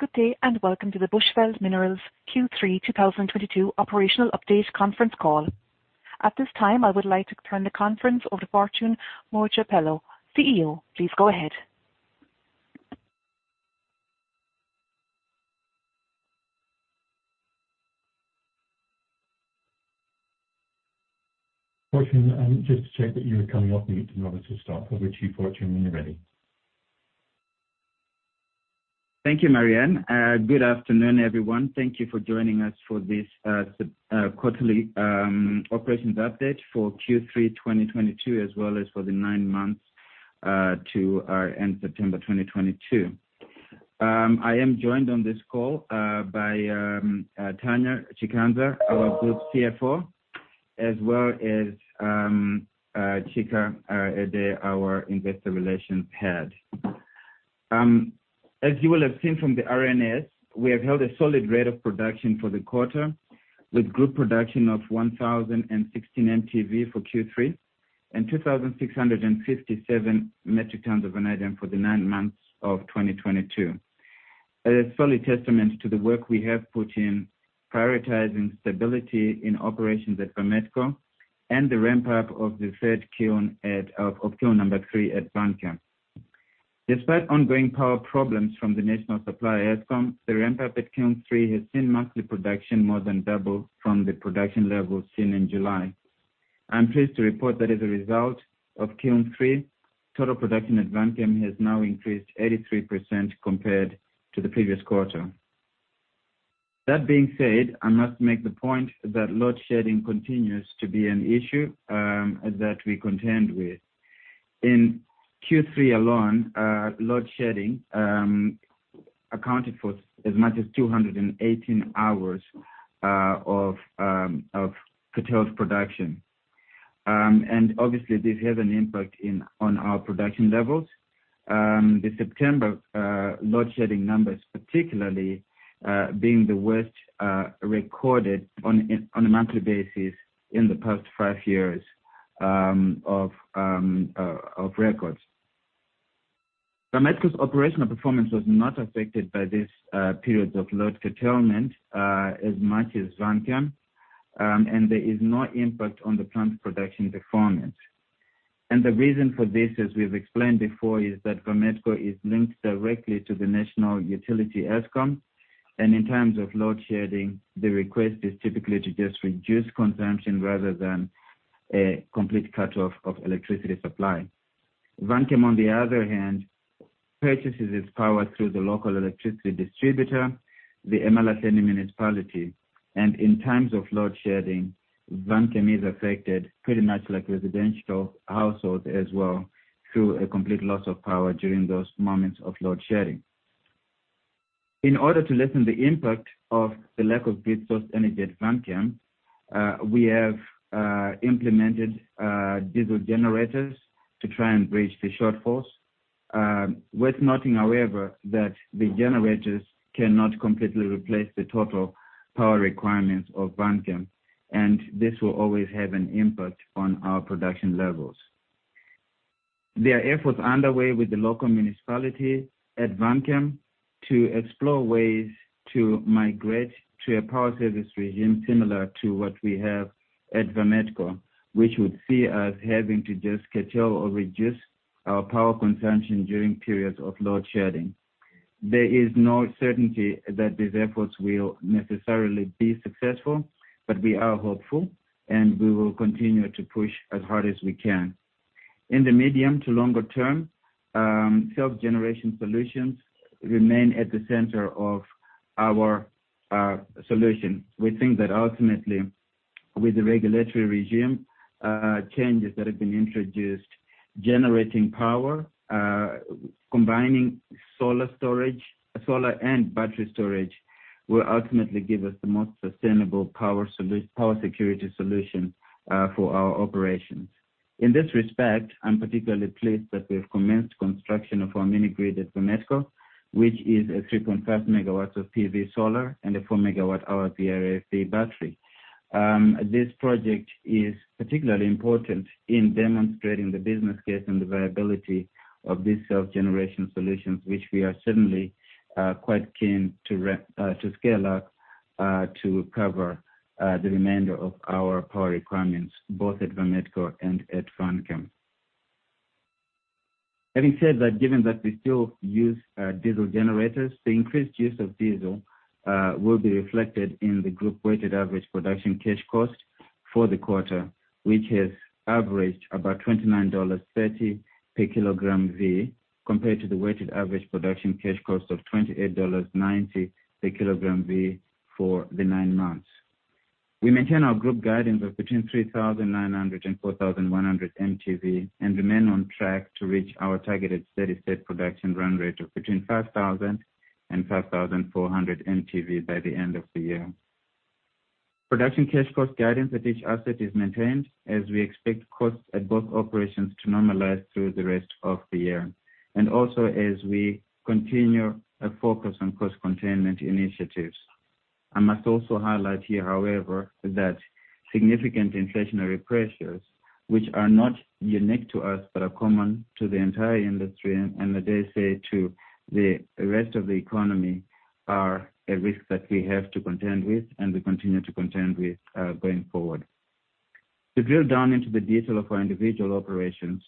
Good day, and welcome to the Bushveld Minerals Q3 2022 operational update conference call. At this time, I would like to turn the conference over to Fortune Mojapelo, CEO. Please go ahead. Fortune, just to check that you are coming up, we need to know where to start. Over to you, Fortune, when you're ready. Thank you, Marianne. Good afternoon, everyone. Thank you for joining us for this quarterly operations update for Q3 2022, as well as for the nine months to end September 2022. I am joined on this call by Tanyaradzwa Chikanza, our group CFO, as well as Chika Edeh, our investor relations head. As you will have seen from the RNS, we have held a solid rate of production for the quarter, with group production of 1,016 mtV for Q3, and 2,657 metric tons of vanadium for the nine months of 2022. It is fully testament to the work we have put in prioritizing stability in operations at Vametco and the ramp up of the third kiln at of kiln number three at Vanchem. Despite ongoing power problems from the national supplier, Eskom, the ramp up at kiln three has seen monthly production more than double from the production levels seen in July. I'm pleased to report that as a result of kiln three, total production at Vanchem has now increased 83% compared to the previous quarter. That being said, I must make the point that load shedding continues to be an issue that we contend with. In Q3 alone, load shedding accounted for as much as 218 hours of curtailed production. Obviously this has an impact on our production levels. The September load shedding numbers, particularly, being the worst recorded on a monthly basis in the past five years of records. Vametco's operational performance was not affected by these periods of load curtailment as much as Vanchem. There is no impact on the plant's production performance. The reason for this, as we've explained before, is that Vametco is linked directly to the national utility, Eskom. In terms of load shedding, the request is typically to just reduce consumption rather than a complete cutoff of electricity supply. Vanchem, on the other hand, purchases its power through the local electricity distributor, the Emalahleni Local Municipality. In times of load shedding, Vanchem is affected pretty much like residential households as well, through a complete loss of power during those moments of load shedding. In order to lessen the impact of the lack of grid source energy at Vanchem, we have implemented diesel generators to try and bridge the shortfall. Worth noting, however, that the generators cannot completely replace the total power requirements of Vanchem, and this will always have an impact on our production levels. There are efforts underway with the local municipality at Vanchem to explore ways to migrate to a power service regime similar to what we have at Vametco, which would see us having to just curtail or reduce our power consumption during periods of load shedding. There is no certainty that these efforts will necessarily be successful, but we are hopeful, and we will continue to push as hard as we can. In the medium to longer term, self-generation solutions remain at the center of our solution. We think that ultimately with the regulatory regime, changes that have been introduced, generating power, combining solar storage, solar and battery storage, will ultimately give us the most sustainable power security solution for our operations. In this respect, I'm particularly pleased that we have commenced construction of our mini grid at Vametco, which is a 3.5 MW of PV solar and a 4 MWh VRFB battery. This project is particularly important in demonstrating the business case and the viability of these self-generation solutions, which we are certainly quite keen to scale up to cover the remainder of our power requirements, both at Vametco and at Vanchem. Having said that, given that we still use diesel generators, the increased use of diesel will be reflected in the group-weighted average production cash cost for the quarter, which has averaged about $29.30 per kilogram V, compared to the weighted average production cash cost of $28.90 per kilogram V for the nine months. We maintain our group guidance of between 3,900 and 4,100 mtV, and remain on track to reach our targeted steady-state production run rate of between 5,000 and 5,400 mtV by the end of the year. Production cash cost guidance at each asset is maintained as we expect costs at both operations to normalize through the rest of the year. Also as we continue a focus on cost containment initiatives. I must also highlight here, however, that significant inflationary pressures, which are not unique to us, but are common to the entire industry and I dare say to the rest of the economy, are a risk that we have to contend with and we continue to contend with, going forward. To drill down into the detail of our individual operations,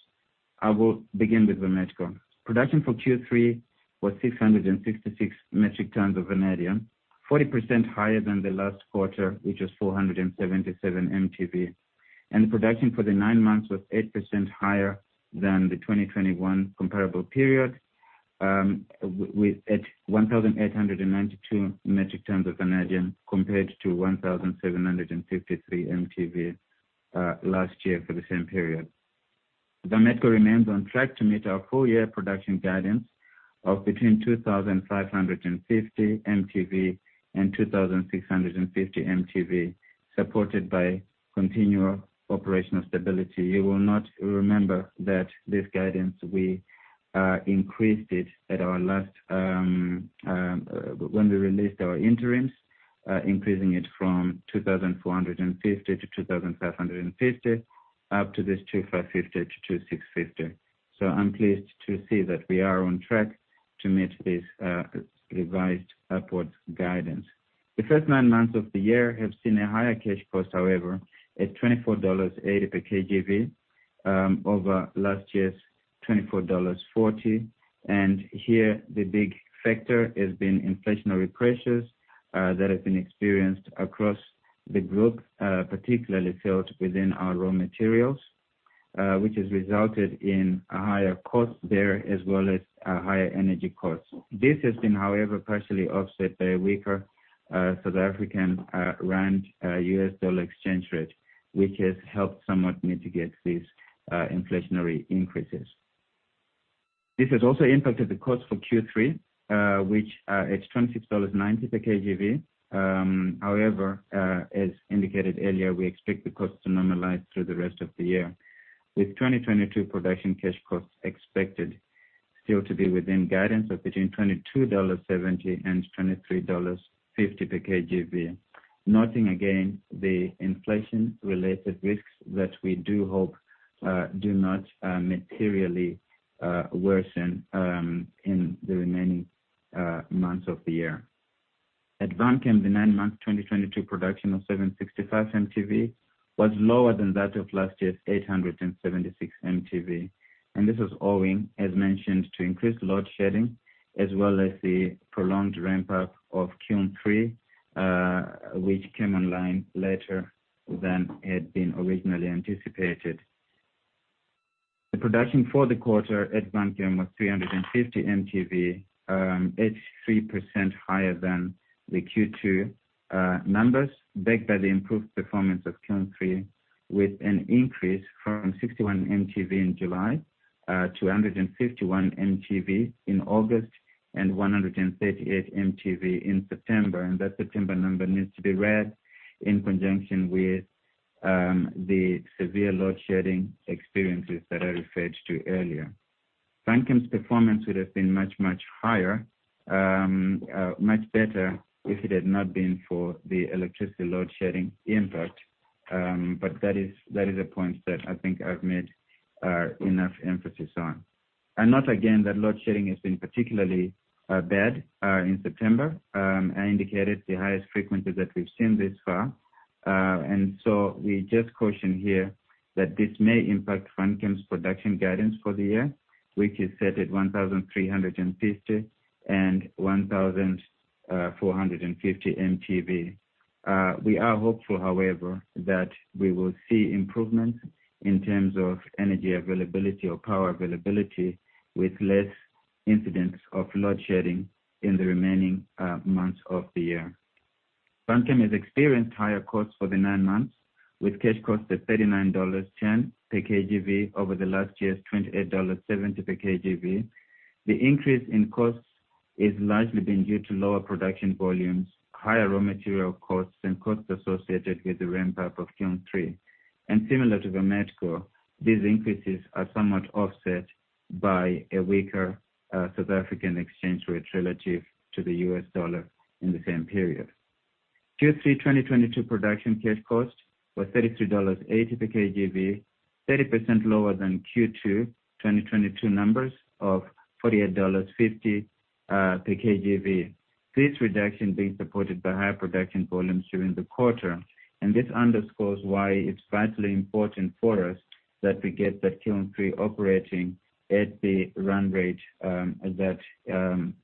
I will begin with Vametco. Production for Q3 was 666 metric tons of vanadium, 40% higher than the last quarter, which was 477 mtV. Production for the nine months was 8% higher than the 2021 comparable period, with 1,892 metric tons of vanadium compared to 1,753 mtV last year for the same period. Vametco remains on track to meet our full-year production guidance of between 2,550 and 2,650 mtV, supported by continual operational stability. You may not remember that we increased this guidance when we released our interims, increasing it from 2,450-2,550, up to this 2,550-2,650. I'm pleased to see that we are on track to meet this revised upwards guidance. The first nine months of the year have seen a higher cash cost, however, at $24.80 per KGV, over last year's $24.40. Here, the big factor has been inflationary pressures that have been experienced across the group, particularly felt within our raw materials, which has resulted in a higher cost there, as well as higher energy costs. This has been, however, partially offset by a weaker South African rand, US dollar exchange rate, which has helped somewhat mitigate these inflationary increases. This has also impacted the cost for Q3, which is $26.90 per KGV. However, as indicated earlier, we expect the cost to normalize through the rest of the year, with 2022 production cash costs expected still to be within guidance of between $22.70 and $23.50 per KGV. Noting again the inflation-related risks that we do hope do not materially worsen in the remaining months of the year. At Vanchem, the nine-month 2022 production of 765 mtV was lower than that of last year's 876 mtV, and this was owing, as mentioned, to increased load shedding, as well as the prolonged ramp up of Q3, which came online later than had been originally anticipated. The production for the quarter at Vanchem was 350 mtV, it's 3% higher than the Q2 numbers, backed by the improved performance of Q3, with an increase from 61 mtV in July to 151 mtV in August and 138 mtV in September. That September number needs to be read in conjunction with the severe load shedding experiences that I referred to earlier. Vanchem's performance would have been much, much higher, much better if it had not been for the electricity load shedding impact. That is a point that I think I've made enough emphasis on. Note again that load shedding has been particularly bad in September and indicated the highest frequencies that we've seen this far. We just caution here that this may impact Vanchem's production guidance for the year, which is set at 1,350-1,450 mtV. We are hopeful, however, that we will see improvements in terms of energy availability or power availability with less incidents of load shedding in the remaining months of the year. Vanchem has experienced higher costs for the nine months, with cash costs at $39.10 per KGV over the last year's $28.70 per KGV. The increase in costs is largely been due to lower production volumes, higher raw material costs and costs associated with the ramp up of Q3. Similar to Vametco, these increases are somewhat offset by a weaker South African exchange rate relative to the US dollar in the same period. Q3 2022 production cash cost was $33.80 per kg V, 30% lower than Q2 2022 numbers of $48.50 per kg V. This reduction being supported by higher production volumes during the quarter. This underscores why it's vitally important for us that we get that Q3 operating at the run rate, that it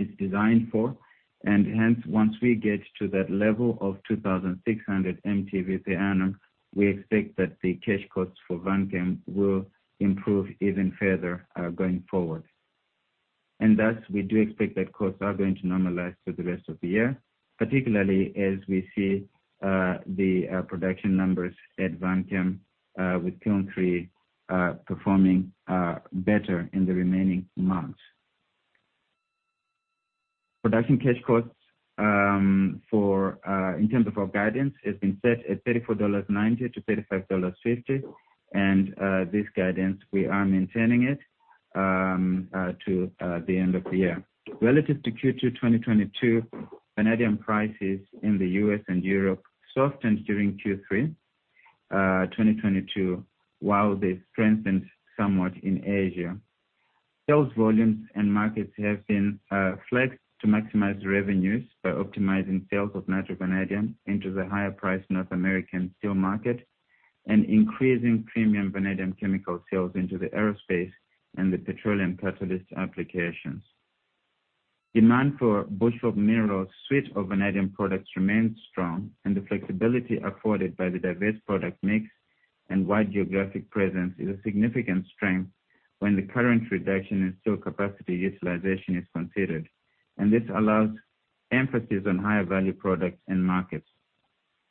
is designed for. Hence, once we get to that level of 2,600 mtV per annum, we expect that the cash costs for Vanchem will improve even further, going forward. Thus, we do expect that costs are going to normalize for the rest of the year, particularly as we see the production numbers at Vanchem with Q3 performing better in the remaining months. Production cash costs, in terms of our guidance, has been set at $34.90-$35.50. This guidance, we are maintaining it to the end of the year. Relative to Q2 2022, vanadium prices in the U.S. and Europe softened during Q3 2022, while they strengthened somewhat in Asia. Sales volumes and markets have been flexed to maximize revenues by optimizing sales of natural vanadium into the higher price North American steel market and increasing premium vanadium chemical sales into the aerospace and the petroleum catalyst applications. Demand for Bushveld Minerals suite of vanadium products remains strong and the flexibility afforded by the diverse product mix and wide geographic presence is a significant strength when the current reduction in steel capacity utilization is considered, and this allows emphasis on higher value products and markets.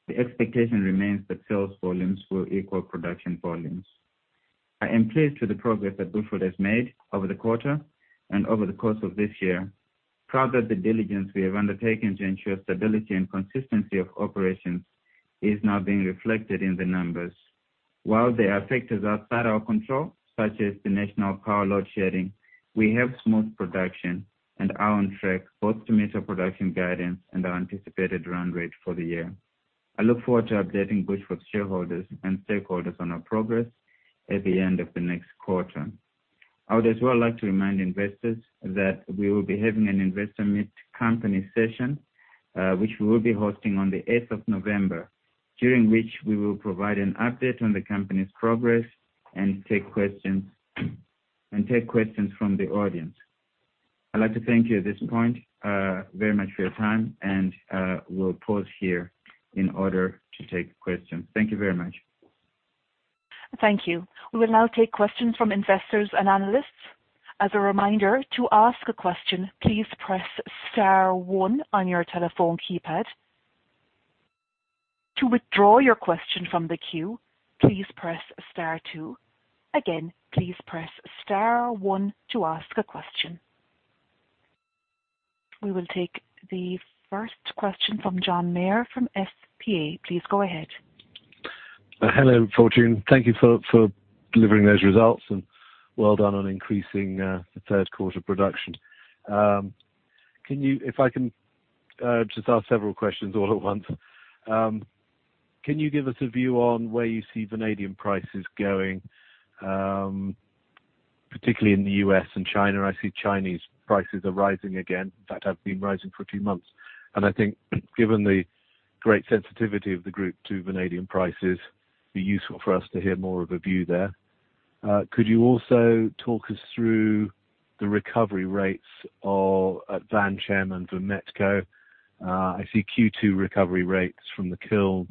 The expectation remains that sales volumes will equal production volumes. I am pleased with the progress that Bushveld has made over the quarter and over the course of this year. Proud that the diligence we have undertaken to ensure stability and consistency of operations is now being reflected in the numbers. While there are factors outside our control, such as the national power load shedding, we have smooth production and are on track both to meet our production guidance and our anticipated run rate for the year. I look forward to updating Bushveld shareholders and stakeholders on our progress at the end of the next quarter. I would as well like to remind investors that we will be having an Investor Meet Company session, which we will be hosting on the eighth of November, during which we will provide an update on the company's progress and take questions from the audience. I'd like to thank you at this point, very much for your time and, we'll pause here in order to take questions. Thank you very much. Thank you. We will now take questions from investors and analysts. As a reminder, to ask a question, please press star one on your telephone keypad. To withdraw your question from the queue, please press star two. Again, please press star one to ask a question. We will take the first question from John Meyer from SP Angel. Please go ahead. Hello, Fortune. Thank you for delivering those results and well done on increasing the third quarter production. If I can just ask several questions all at once. Can you give us a view on where you see vanadium prices going, particularly in the U.S. and China? I see Chinese prices are rising again. In fact, have been rising for a few months. I think given the great sensitivity of the group to vanadium prices, it'd be useful for us to hear more of a view there. Could you also talk us through the recovery rates of Vanchem and Vametco? I see Q2 recovery rates from the kiln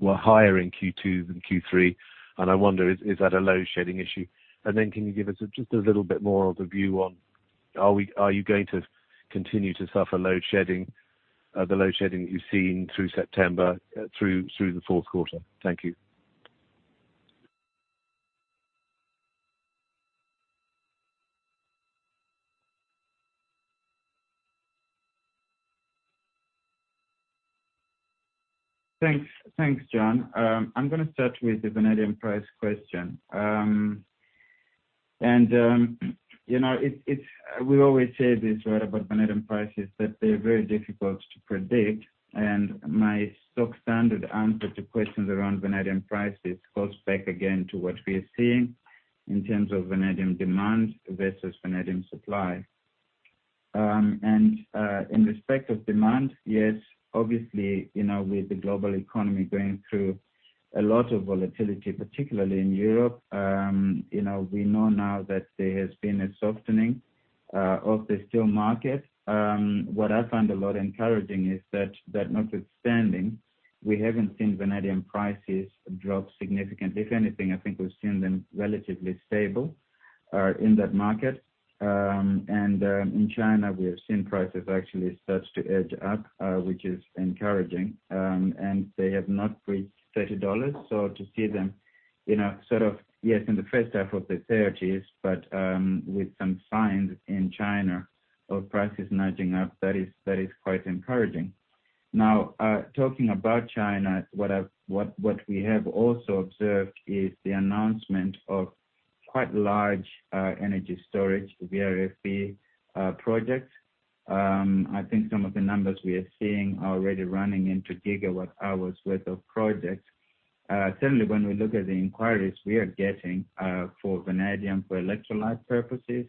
were higher in Q2 than Q3, and I wonder, is that a load shedding issue? Can you give us just a little bit more of a view on are you going to continue to suffer load shedding, the load shedding that you've seen through September, through the fourth quarter? Thank you. Thanks. Thanks, John. I'm gonna start with the vanadium price question. You know, we always say this right about vanadium prices, that they're very difficult to predict. My stock standard answer to questions around vanadium prices goes back again to what we are seeing in terms of vanadium demand versus vanadium supply. In respect of demand, yes, obviously, you know, with the global economy going through a lot of volatility, particularly in Europe, you know, we know now that there has been a softening of the steel market. What I find a lot encouraging is that notwithstanding, we haven't seen vanadium prices drop significantly. If anything, I think we've seen them relatively stable in that market. In China, we have seen prices actually start to edge up, which is encouraging, and they have not reached $30. To see them, you know, sort of, yes, in the first half of the 30s, but with some signs in China of prices nudging up, that is quite encouraging. Now, talking about China, what we have also observed is the announcement of quite large energy storage VRFB projects. I think some of the numbers we are seeing are already running into gigawatt hours worth of projects. Certainly when we look at the inquiries we are getting for vanadium for electrolyte purposes,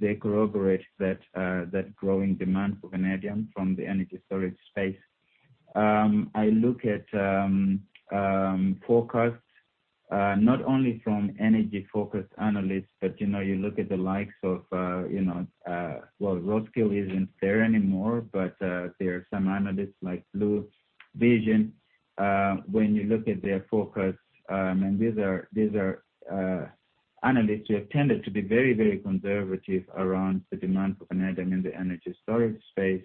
they corroborate that growing demand for vanadium from the energy storage space. I look at forecasts, not only from energy-focused analysts, but you know, you look at the likes of, well, Roskill isn't there anymore, but there are some analysts like Wood Mackenzie. When you look at their forecasts, and these are analysts who have tended to be very conservative around the demand for vanadium in the energy storage space.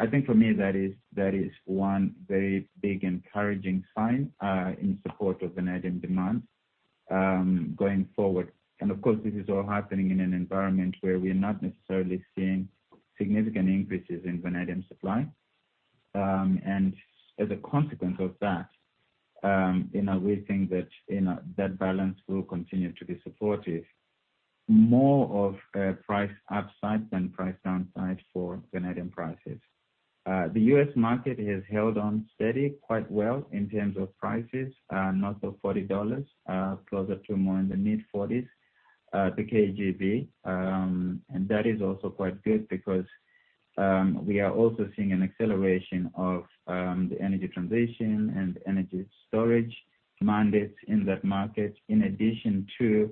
I think for me that is one very big encouraging sign in support of vanadium demand going forward. Of course, this is all happening in an environment where we are not necessarily seeing significant increases in vanadium supply. As a consequence of that, we think that that balance will continue to be supportive. More of a price upside than price downside for vanadium prices. The U.S. market has held on steady quite well in terms of prices, north of $40, closer to more in the mid-$40s, the kgV, and that is also quite good because we are also seeing an acceleration of the energy transition and energy storage mandates in that market, in addition to,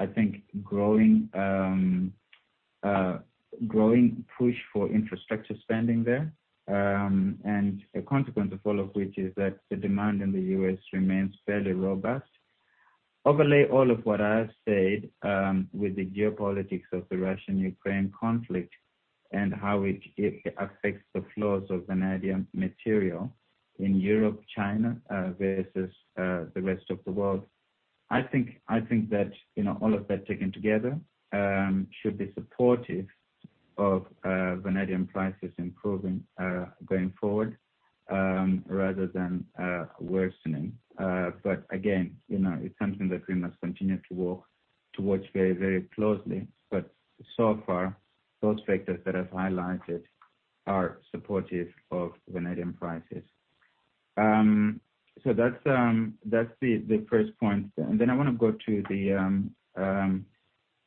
I think growing push for infrastructure spending there. A consequence of all of which is that the demand in the U.S. remains fairly robust. Overlay all of what I have said with the geopolitics of the Russian-Ukraine conflict and how it affects the flows of vanadium material in Europe, China, versus the rest of the world. I think that, you know, all of that taken together, should be supportive of, vanadium prices improving, going forward, rather than, worsening. But again, you know, it's something that we must continue to walk towards very, very closely, but so far, those factors that I've highlighted are supportive of vanadium prices. So that's the first point. Then I wanna go to the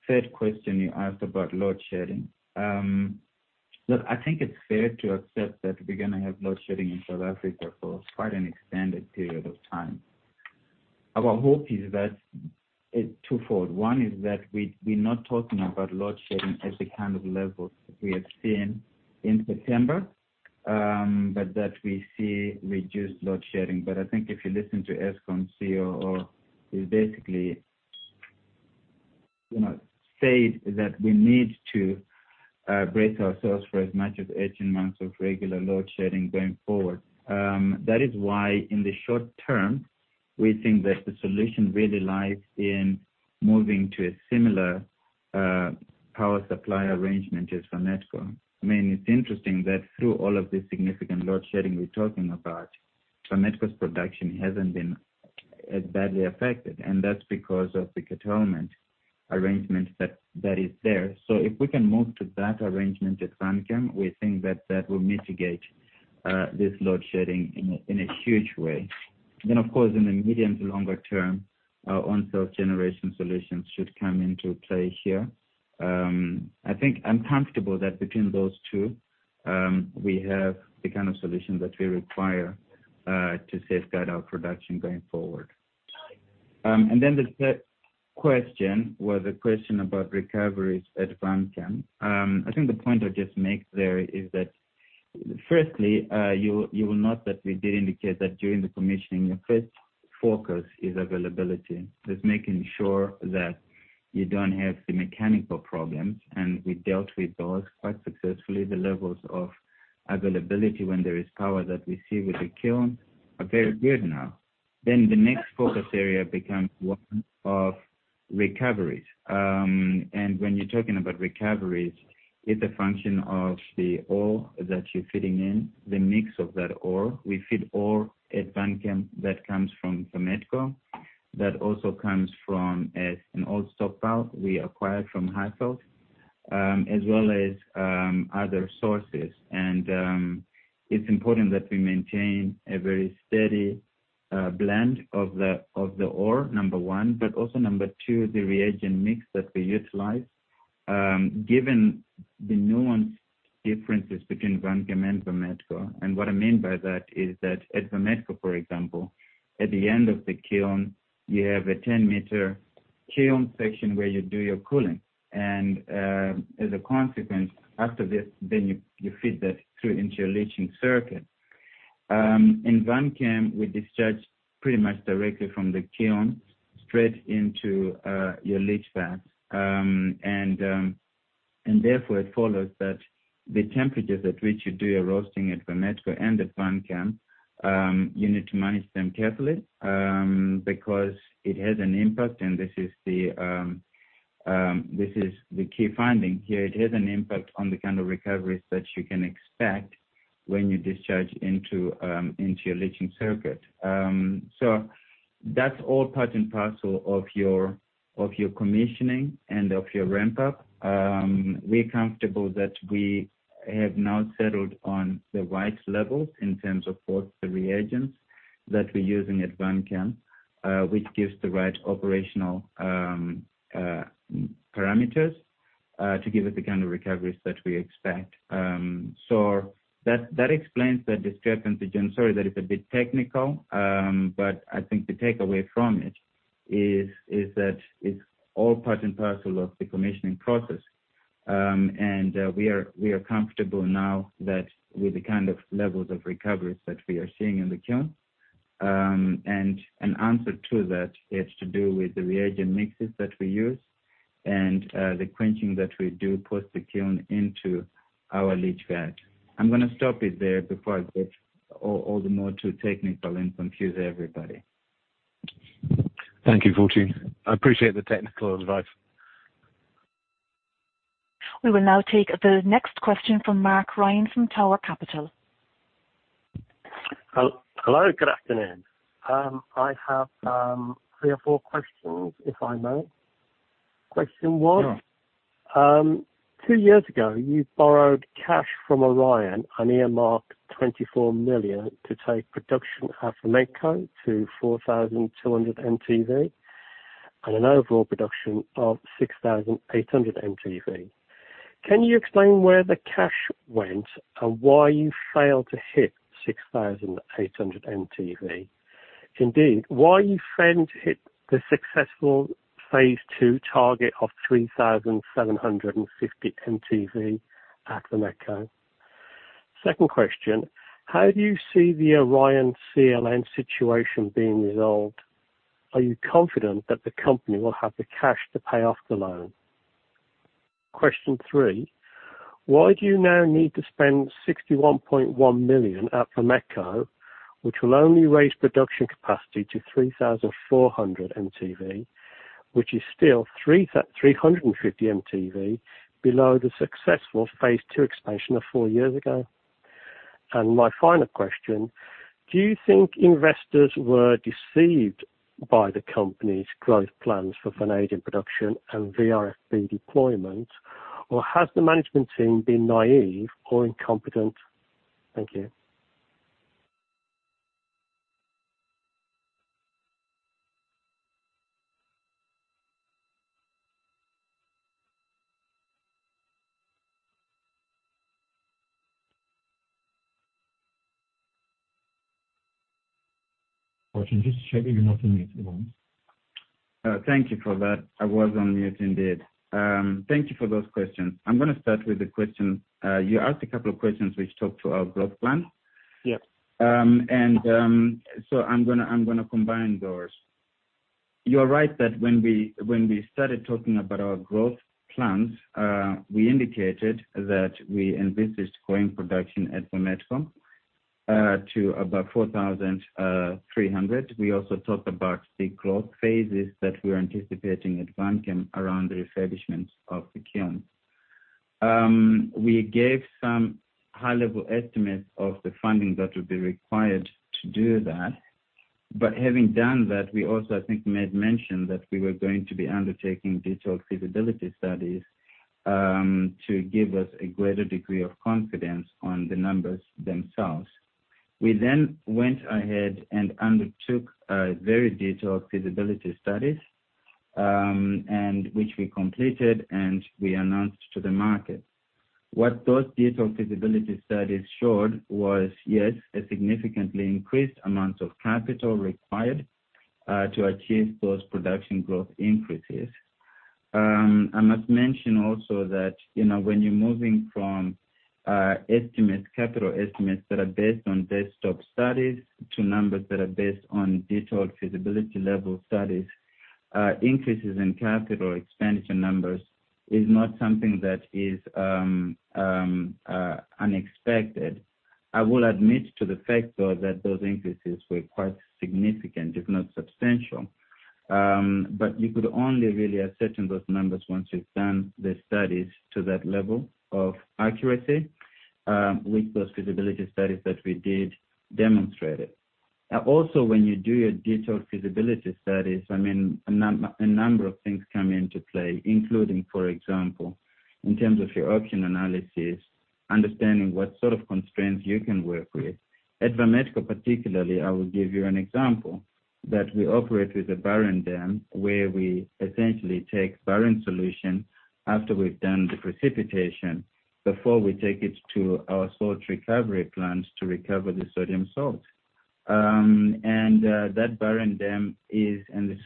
third question you asked about load shedding. Look, I think it's fair to accept that we're gonna have load shedding in South Africa for quite an extended period of time. Our hope is that it's twofold. One is that we're not talking about load shedding at the kind of levels we have seen in September, but that we see reduced load shedding. I think if you listen to Eskom CEO, he basically said that we need to brace ourselves for as much as 18 months of regular load shedding going forward. That is why in the short term, we think that the solution really lies in moving to a similar power supply arrangement as Vametco. I mean, it's interesting that through all of this significant load shedding we're talking about, Vametco's production hasn't been as badly affected, and that's because of the curtailment arrangement that is there. If we can move to that arrangement at Vanchem, we think that that will mitigate this load shedding in a huge way. Of course, in the medium to longer term, our on-site generation solutions should come into play here. I think I'm comfortable that between those two, we have the kind of solutions that we require to safeguard our production going forward. The third question was a question about recoveries at Vanchem. I think the point I'll just make there is that firstly, you will note that we did indicate that during the commissioning, the first focus is availability. It's making sure that you don't have the mechanical problems, and we dealt with those quite successfully. The levels of availability when there is power that we see with the kiln are very good now. The next focus area becomes one of recoveries. When you're talking about recoveries, it's a function of the ore that you're feeding in, the mix of that ore. We feed ore at Vanchem that comes from Vametco, that also comes from an old stock pile we acquired from Highveld, as well as other sources. It's important that we maintain a very steady blend of the ore, number one, but also number two, the reagent mix that we utilize, given the nuanced differences between Vanchem and Vametco. What I mean by that is that at Vametco, for example, at the end of the kiln, you have a 10-meter kiln section where you do your cooling. As a consequence, after this, then you feed that through into your leaching circuit. In Vanchem, we discharge pretty much directly from the kiln straight into your leach vat. Therefore it follows that the temperatures at which you do your roasting at Vametco and at Vanchem, you need to manage them carefully, because it has an impact, and this is the key finding here. It has an impact on the kind of recoveries that you can expect when you discharge into your leaching circuit. That's all part and parcel of your commissioning and of your ramp up. We're comfortable that we have now settled on the right levels in terms of both the reagents that we're using at Vanchem, which gives the right operational parameters to give us the kind of recoveries that we expect. That explains the discrepancy. I'm sorry that it's a bit technical, but I think the takeaway from it is that it's all part and parcel of the commissioning process. We are comfortable now that with the kind of levels of recoveries that we are seeing in the kiln, and an answer to that is to do with the reagent mixes that we use and the quenching that we do post the kiln into our leach vat. I'm gonna stop it there before I get all the more too technical and confuse everybody. Thank you, Fortune. I appreciate the technical advice. We will now take the next question from Mark Ryan from Tower Capital. Hello, good afternoon. I have three or four questions, if I may. Question one. Two years ago, you borrowed cash from Orion and earmarked 24 million to take production at Vametco to 4,200 mtV and an overall production of 6,800 mtV. Can you explain where the cash went and why you failed to hit 6,800 mtV? Indeed, why you failed to hit the successful phase two target of 3,750 mtV at Vametco? Second question, how do you see the Orion CLN situation being resolved? Are you confident that the company will have the cash to pay off the loan? Question three, why do you now need to spend 61.1 million at Vametco, which will only raise production capacity to 3,400 mtV, which is still 350 mtV below the successful phase two expansion of four years ago? My final question, do you think investors were deceived by the company's growth plans for vanadium production and VRFB deployment, or has the management team been naive or incompetent? Thank you. Fortune, just check if you're not on mute anymore. Thank you for that. I was on mute indeed. Thank you for those questions. I'm gonna start with the question. You asked a couple of questions which talked to our growth plan. Yes. I'm gonna combine those. You are right that when we started talking about our growth plans, we indicated that we envisaged growing production at Vametco to about 4,300. We also talked about the growth phases that we were anticipating at Vanchem around the refurbishment of the kiln. We gave some high-level estimates of the funding that would be required to do that. Having done that, we also, I think, made mention that we were going to be undertaking detailed feasibility studies to give us a greater degree of confidence on the numbers themselves. We went ahead and undertook very detailed feasibility studies, and which we completed, and we announced to the market. What those detailed feasibility studies showed was, yes, a significantly increased amount of capital required to achieve those production growth increases. I must mention also that, you know, when you're moving from estimates, capital estimates that are based on desktop studies to numbers that are based on detailed feasibility level studies, increases in capital expenditure numbers is not something that is unexpected. I will admit to the fact, though, that those increases were quite significant, if not substantial. You could only really ascertain those numbers once you've done the studies to that level of accuracy, which those feasibility studies that we did demonstrated. Also, when you do your detailed feasibility studies, I mean, a number of things come into play, including, for example, in terms of your option analysis, understanding what sort of constraints you can work with. At Vametco particularly, I will give you an example that we operate with a barren dam, where we essentially take barren solution after we've done the precipitation before we take it to our salt recovery plant to recover the sodium salt. That barren dam is in the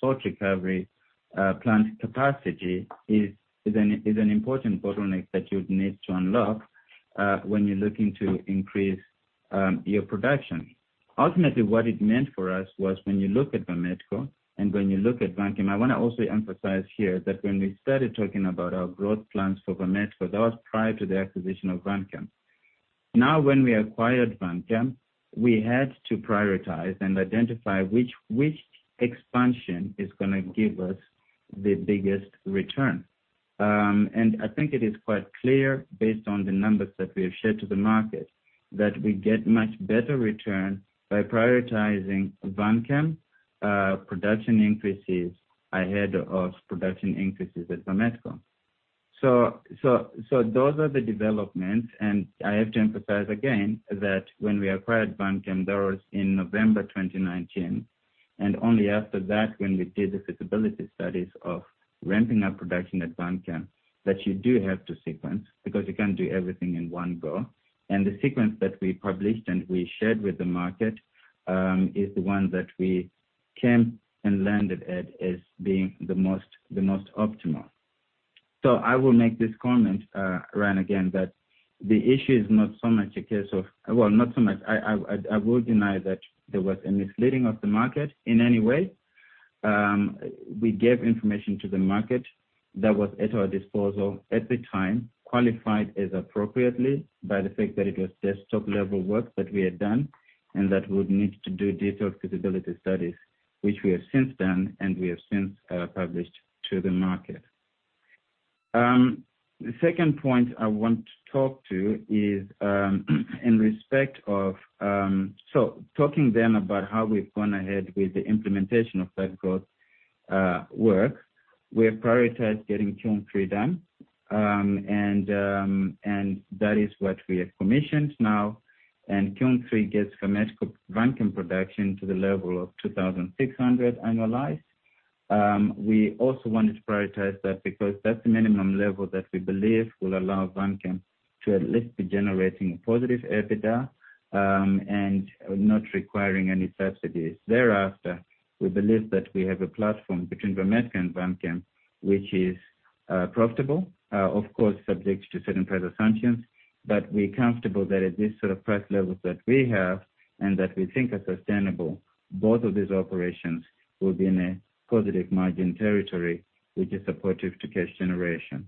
salt recovery plant capacity is an important bottleneck that you'd need to unlock when you're looking to increase your production. Ultimately, what it meant for us was when you look at Vametco, and when you look at Vanchem, I wanna also emphasize here that when we started talking about our growth plans for Vametco, that was prior to the acquisition of Vanchem. Now, when we acquired Vanchem, we had to prioritize and identify which expansion is gonna give us the biggest return. I think it is quite clear based on the numbers that we have shared to the market, that we get much better return by prioritizing Vanchem production increases ahead of production increases at Vametco. Those are the developments, and I have to emphasize again that when we acquired Vanchem, that was in November 2019, and only after that when we did the feasibility studies of ramping up production at Vanchem, that you do have to sequence because you can't do everything in one go. The sequence that we published and we shared with the market is the one that we came and landed at as being the most optimal. I will make this comment, Ryan, again that the issue is not so much a case of not so much. I would deny that there was a misleading of the market in any way. We gave information to the market that was at our disposal at the time, qualified appropriately by the fact that it was desktop level work that we had done, that would need to do detailed feasibility studies, which we have since done, and we have since published to the market. The second point I want to talk about is in respect of talking then about how we've gone ahead with the implementation of that growth work. We have prioritized getting Q3 done, and that is what we have commissioned now. Q3 gets from Vametco Vanchem production to the level of 2,600 annualized. We also wanted to prioritize that because that's the minimum level that we believe will allow Vanchem to at least be generating a positive EBITDA, and not requiring any subsidies. Thereafter, we believe that we have a platform between Vametco and Vanchem, which is profitable, of course, subject to certain price assumptions. We're comfortable that at these sort of price levels that we have and that we think are sustainable, both of these operations will be in a positive margin territory which is supportive to cash generation.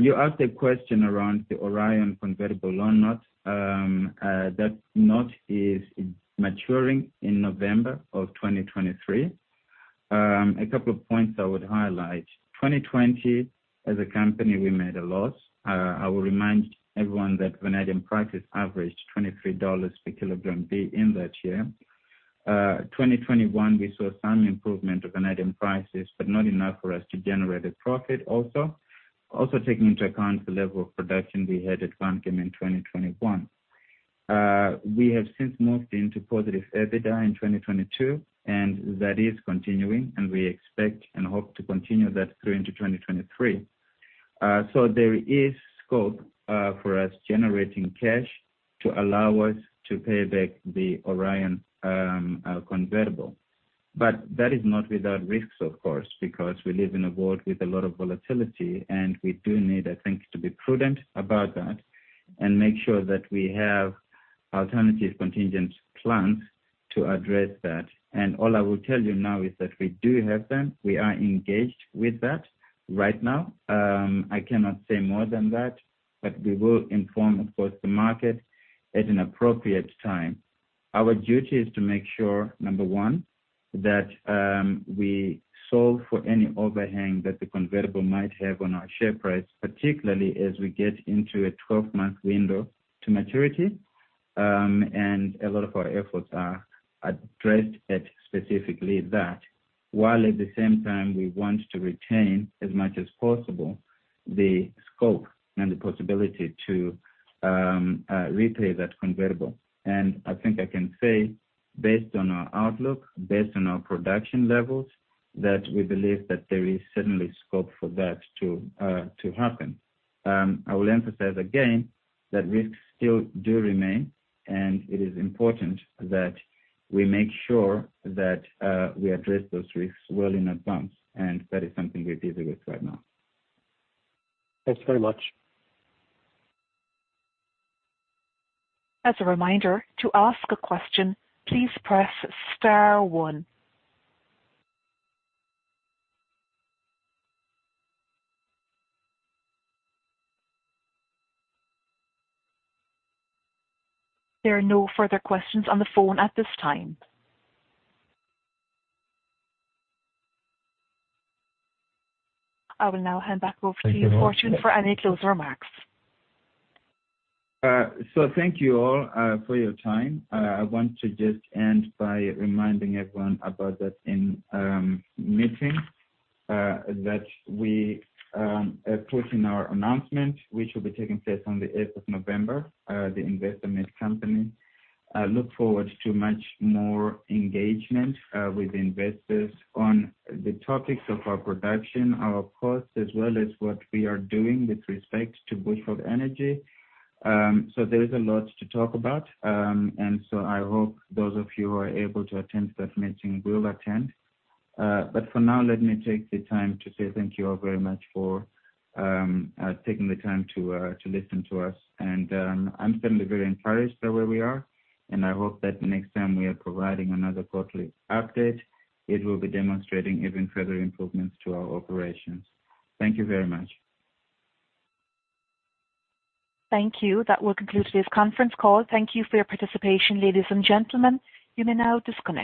You asked a question around the Orion convertible loan note. That note is maturing in November of 2023. A couple of points I would highlight. 2020, as a company, we made a loss. I will remind everyone that vanadium prices averaged $23 per kilogram V in that year. 2021, we saw some improvement of vanadium prices, but not enough for us to generate a profit also. Also, taking into account the level of production we had at Vanchem in 2021. We have since moved into positive EBITDA in 2022, and that is continuing, and we expect and hope to continue that through into 2023. So there is scope for us generating cash to allow us to pay back the Orion convertible. But that is not without risks, of course, because we live in a world with a lot of volatility, and we do need, I think, to be prudent about that and make sure that we have alternative contingent plans to address that. All I will tell you now is that we do have them. We are engaged with that right now. I cannot say more than that, but we will inform, of course, the market at an appropriate time. Our duty is to make sure, number one, that, we solve for any overhang that the convertible might have on our share price, particularly as we get into a 12-month window to maturity. A lot of our efforts are addressed at specifically that. While at the same time we want to retain as much as possible the scope and the possibility to repay that convertible. I think I can say, based on our outlook, based on our production levels, that we believe that there is certainly scope for that to happen. I will emphasize again that risks still do remain, and it is important that we make sure that we address those risks well in advance, and that is something we're busy with right now. Thanks very much. As a reminder, to ask a question, please press star one. There are no further questions on the phone at this time. I will now hand back over to you, Fortune, for any closing remarks. Thank you all for your time. I want to just end by reminding everyone about the meeting that we put in our announcement, which will be taking place on the eighth of November, the Investor Meet Company. I look forward to much more engagement with investors on the topics of our production, our costs, as well as what we are doing with respect to Bushveld Energy. There is a lot to talk about. I hope those of you who are able to attend that meeting will attend. For now, let me take the time to say thank you all very much for taking the time to listen to us. I'm certainly very encouraged by where we are, and I hope that the next time we are providing another quarterly update, it will be demonstrating even further improvements to our operations. Thank you very much. Thank you. That will conclude today's conference call. Thank you for your participation, ladies and gentlemen. You may now disconnect.